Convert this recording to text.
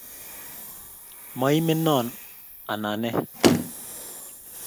Maimin noo ,anan nee